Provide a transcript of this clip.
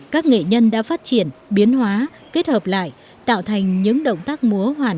các nghệ nhân đã phát triển biến hóa kết hợp lại tạo thành những động tác múa hoàn chỉnh